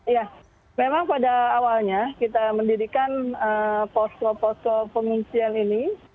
ya memang pada awalnya kita mendirikan posko posko pengungsian ini